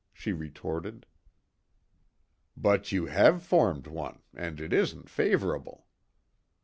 she retorted. "But you have formed one, and it isn't favourable."